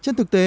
trên thực tế